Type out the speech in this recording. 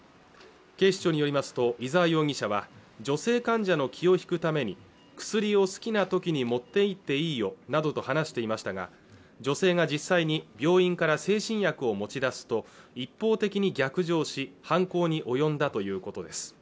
警視庁によりますと伊沢容疑者は女性患者の気を引くために薬を好きな時に持っていっていいよなどと話していましたが女性が実際に病院から精神薬を持ち出すと一方的に逆上し犯行に及んだということです